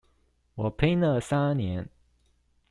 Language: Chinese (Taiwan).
我拼了三年